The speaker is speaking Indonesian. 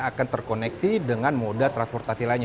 akan terkoneksi dengan moda transportasi lainnya